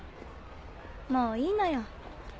もういいのよ。